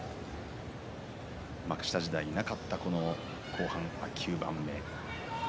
幕下時代にはなかった後半の９番目。